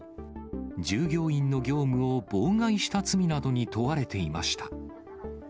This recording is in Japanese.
従業員の業務を妨害した罪などに問われていました。